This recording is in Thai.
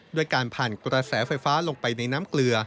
ด้วยการผ่านกระแสไฟฟ้าลงไปในน้ำเกลือ